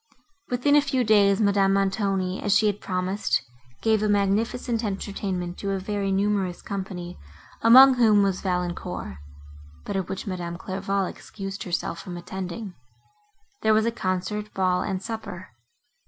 Within a few days, Madame Montoni, as she had promised, gave a magnificent entertainment to a very numerous company, among whom was Valancourt; but at which Madame Clairval excused herself from attending. There was a concert, ball and supper.